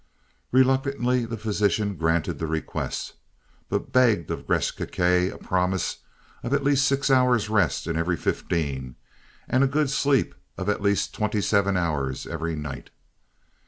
Reluctantly the physician granted the request, but begged of Gresth Gkae a promise of at least six hours rest in every fifteen, and a good sleep of at least twenty seven hours every "night."